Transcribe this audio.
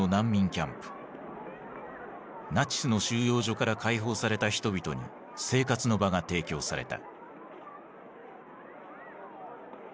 ナチスの収容所から解放された人々に生活の場が提供された。